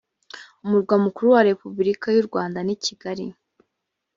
umurwa mukuru wa repubulika y u rwanda ni kigali